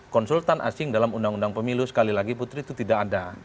konsultan asing dalam undang undang pemilu sekali lagi putri itu tidak ada